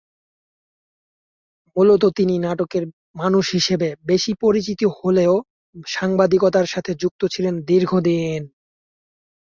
মূলত তিনি নাটকের মানুষ হিসেবে বেশি পরিচিত হলেও সাংবাদিকতার সাথে যুক্ত ছিলেন দীর্ঘদিন।